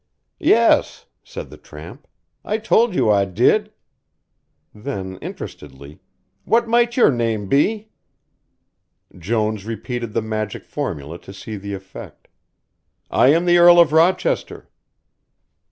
"Yes," said the tramp. "I told you I did." Then interestedly, "What might your name be?" Jones repeated the magic formula to see the effect. "I am the Earl of Rochester."